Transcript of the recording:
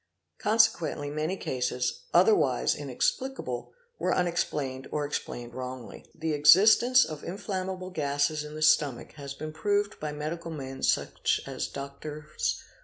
Consequently many cases, | otherwise inexplicable, were unexplained or explained wrongly. The existence of inflammable gases in the stomach has been proved _ by medical men such as Drs.